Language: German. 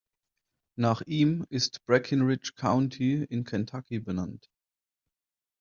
Nach ihm ist Breckinridge County in Kentucky benannt.